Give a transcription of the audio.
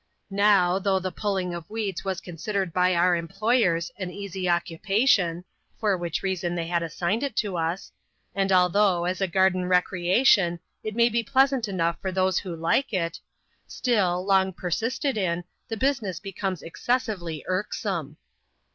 Now, though the pulling of weeds was considered by our employers an easy occupation (for which reason, they had as signed it to us), and although, as a garden recreation, it may be pleasant enough for those who like it — still, long persisted in^ the business becomes excessively irksome.